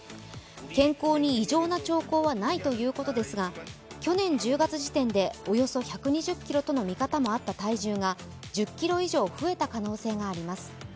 健康に異常な兆候はないということですが去年１０月時点でおよそ１２０ｋｇとの見方もあった体重が１０ｋｇ以上増えた可能性があります。